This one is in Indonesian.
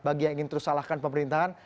bagi yang ingin terus salahkan pemerintahan